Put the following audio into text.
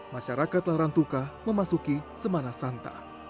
masyarakat larantuka memasuki semana santa